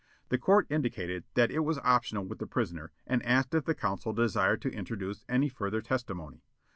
The Court indicated that it was optional with the prisoner and asked if the counsel desired to introduce any further testimony.